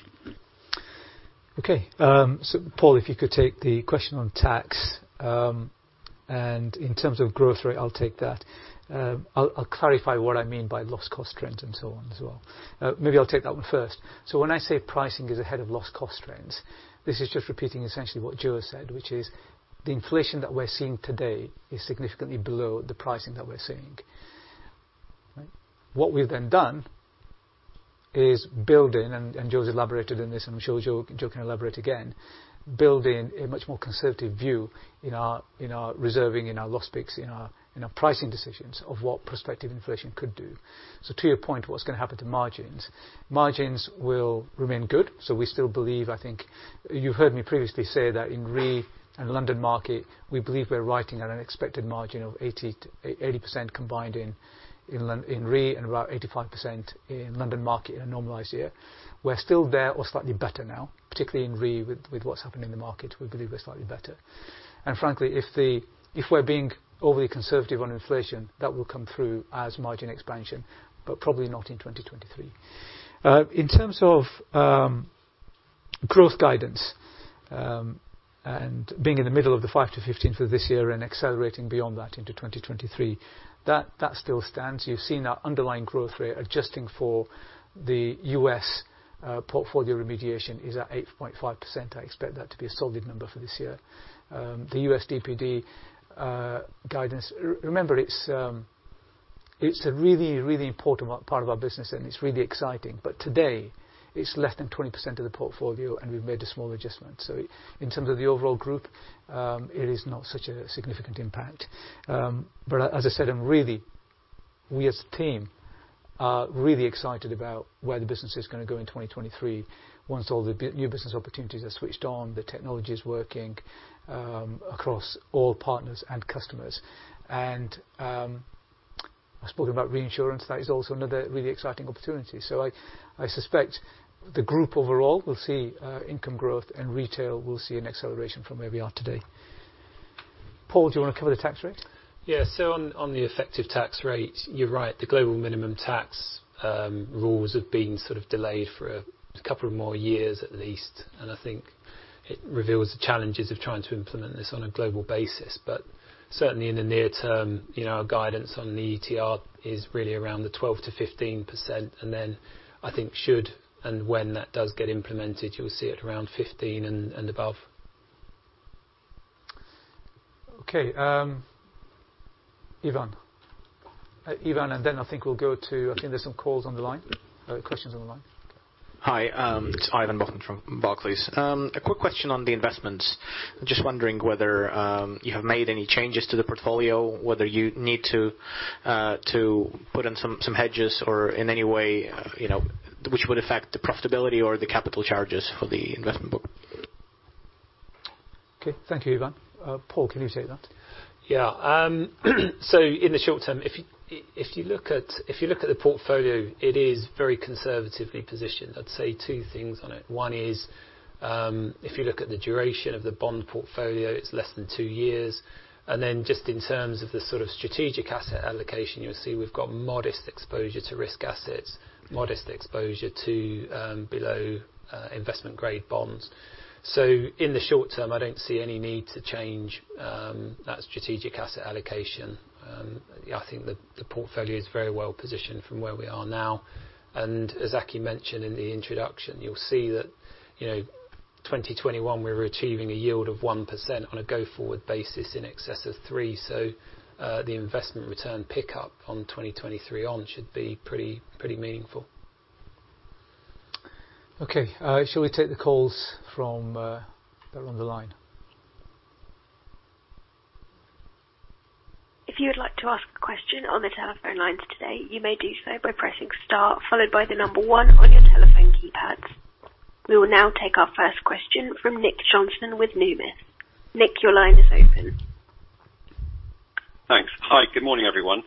Okay. Paul, if you could take the question on tax. In terms of growth rate, I'll take that. I'll clarify what I mean by loss cost trends and so on as well. Maybe I'll take that one first. When I say pricing is ahead of loss cost trends, this is just repeating essentially what Jo has said, which is the inflation that we're seeing today is significantly below the pricing that we're seeing. Right? What we've then done is build in, and Jo's elaborated on this, and I'm sure Jo can elaborate again, build in a much more conservative view in our reserving, in our loss picks, in our pricing decisions of what prospective inflation could do. To your point, what's gonna happen to margins? Margins will remain good. I think you heard me previously say that in Re and London Market, we believe we're writing at an expected margin of 80% combined in Re, and about 85% in London Market in a normalized year. We're still there or slightly better now, particularly in Re with what's happened in the market. We believe we're slightly better. Frankly, if we're being overly conservative on inflation, that will come through as margin expansion, but probably not in 2023. In terms of growth guidance and being in the middle of the 5%-15% for this year and accelerating beyond that into 2023, that still stands. You've seen our underlying growth rate adjusting for the U.S. portfolio remediation is at 8.5%. I expect that to be a solid number for this year. The U.S. DPD guidance. Remember, it's a really important part of our business, and it's really exciting. Today it's less than 20% of the portfolio, and we've made a small adjustment. In terms of the overall group, it is not such a significant impact. As I said, I'm really we as a team are really excited about where the business is gonna go in 2023 once all the new business opportunities are switched on, the technology is working across all partners and customers. I spoke about reinsurance. That is also another really exciting opportunity. I suspect the group overall will see income growth, and retail will see an acceleration from where we are today. Paul, do you wanna cover the tax rate? On the effective tax rate, you're right. The global minimum tax rules have been sort of delayed for a couple more years at least, and I think it reveals the challenges of trying to implement this on a global basis. Certainly in the near term, you know, our guidance on the ETR is really around 12%-15%. Then I think should and when that does get implemented, you'll see it around 15% and above. Okay, Ivan, and then I think we'll go to. I think there's some calls on the line, questions on the line. Hi, it's Ivan Bokhmat from Barclays. A quick question on the investments. Just wondering whether you have made any changes to the portfolio, whether you need to put in some hedges or in any way, you know, which would affect the profitability or the capital charges for the investment book. Okay. Thank you, Ivan. Paul, can you take that? In the short term, if you look at the portfolio, it is very conservatively positioned. I'd say two things on it. One is, if you look at the duration of the bond portfolio, it's less than two years. Just in terms of the sort of strategic asset allocation, you'll see we've got modest exposure to risk assets, modest exposure to below investment grade bonds. In the short term, I don't see any need to change that strategic asset allocation. I think the portfolio is very well positioned from where we are now. As Aki mentioned in the introduction, you'll see that, you know, 2021, we were achieving a yield of 1% on a go-forward basis in excess of 3%. The investment return pickup on 2023 should be pretty meaningful. Okay. Shall we take the calls from those that are on the line? If you would like to ask a question on the telephone lines today, you may do so by pressing star followed by the number one on your telephone keypads. We will now take our first question from Nick Johnson with Numis. Nick, your line is open. Thanks. Hi, good morning, everyone.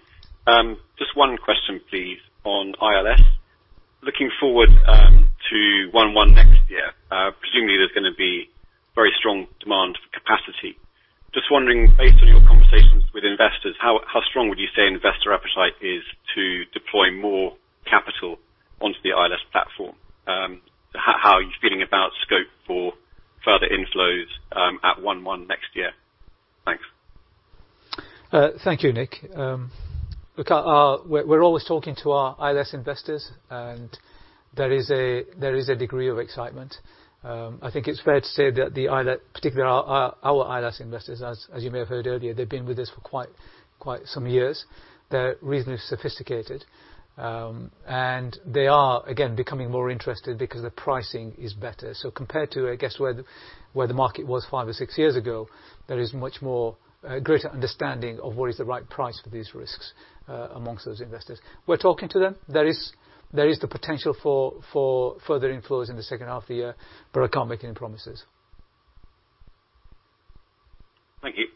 Just one question, please, on ILS. Looking forward to 1/1 next year, presumably there's gonna be very strong demand for capacity. Just wondering, based on your conversations with investors, how strong would you say investor appetite is to deploy more capital onto the ILS platform? How are you feeling about scope for further inflows at 1/1 next year? Thanks. Thank you, Nick. We're always talking to our ILS investors, and there is a degree of excitement. I think it's fair to say that the ILS, particularly our ILS investors, as you may have heard earlier, they've been with us for quite some years. They're reasonably sophisticated. They are, again, becoming more interested because the pricing is better. Compared to, I guess, where the market was five or six years ago, there is much more, a greater understanding of what is the right price for these risks, among those investors. We're talking to them. There is the potential for further inflows in the second half of the year, but I can't make any promises. Thank you.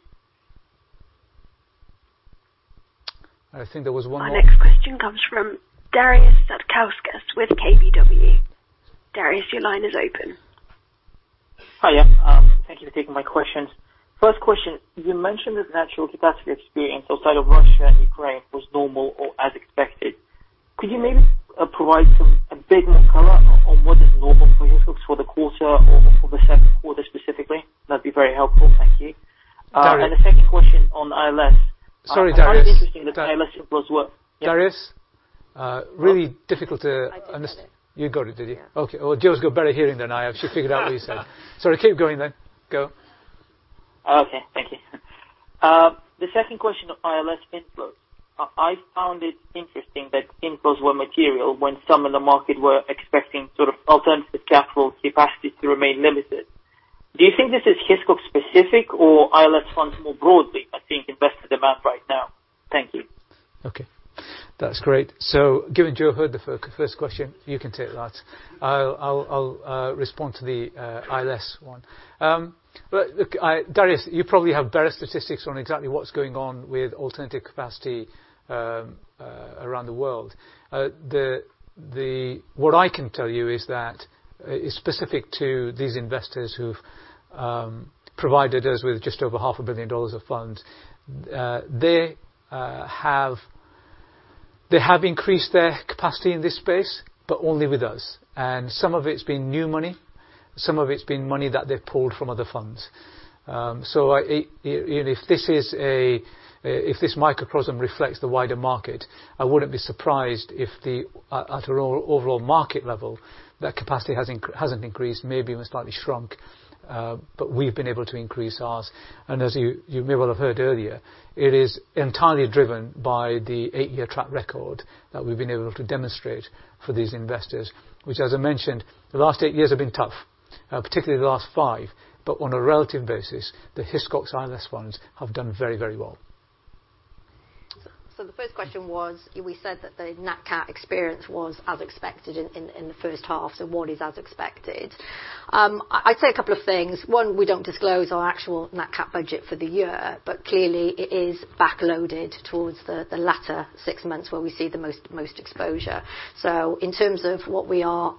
I think there was one more. Our next question comes from Darius Satkauskas with KBW. Darius, your line is open. Hi. Thank you for taking my questions. First question, you mentioned the natural catastrophe experience outside of Russia and Ukraine was normal or as expected. Could you maybe provide some a bit more color on what is normal for Hiscox for the quarter or for the second quarter specifically? That'd be very helpful. Thank you. The second question on ILS. I find it interesting that the ILS inflows were. Okay, thank you. The second question on ILS inflows. I found it interesting that inflows were material when some in the market were expecting sort of alternative capital capacity to remain limited. Do you think this is Hiscox specific or ILS funds more broadly are seeing invested amount right now? Thank you. Okay, that's great. Given Jo heard the first question, you can take that. I'll respond to the ILS one. Look, Darius, you probably have better statistics on exactly what's going on with alternative capacity around the world. What I can tell you is that it's specific to these investors who've provided us with just over $500,000 million of funds. They have increased their capacity in this space, but only with us. Some of it's been new money, some of it's been money that they've pulled from other funds. You know, if this microcosm reflects the wider market, I wouldn't be surprised if at an overall market level, their capacity hasn't increased, maybe even slightly shrunk. we've been able to increase ours. As you may well have heard earlier, it is entirely driven by the eight-year track record that we've been able to demonstrate for these investors, which as I mentioned, the last eight years have been tough, particularly the last five. On a relative basis, the Hiscox ILS funds have done very, very well. The first question was, we said that the Nat Cat experience was as expected in the first half, so what is as expected? I'd say a couple of things. One, we don't disclose our actual Nat Cat budget for the year, but clearly it is backloaded towards the latter six months where we see the most exposure. In terms of what we are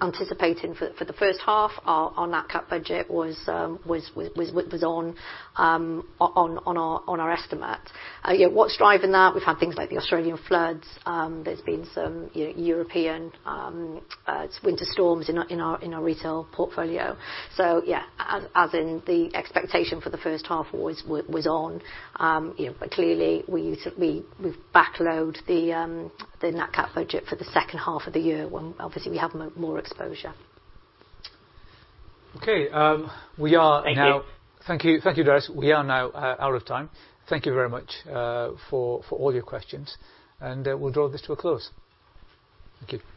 anticipating for the first half, our Nat Cat budget was on our estimate. What's driving that? We've had things like the Australian floods. There's been some, you know, European winter storms in our retail portfolio. The expectation for the first half was on. You know, clearly we've backloaded the Nat Cat budget for the second half of the year when obviously we have more exposure. Okay. Thank you. Thank you. Thank you, Darius. We are now out of time. Thank you very much for all your questions and we'll draw this to a close. Thank you.